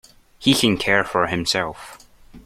He can care for himself.